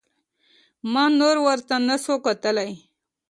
ما نور ورته نسو کتلى.